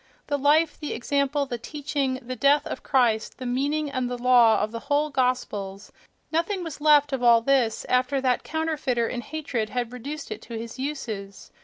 The life, the example, the teaching, the death of Christ, the meaning and the law of the whole gospels—nothing was left of all this after that counterfeiter in hatred had reduced it to his uses.